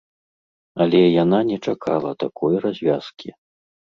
Але яна не чакала такой развязкі.